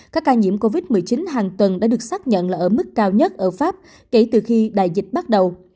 các ca nhiễm covid một mươi chín hàng tuần đã được xác nhận là ở mức cao nhất ở pháp kể từ khi đại dịch bắt đầu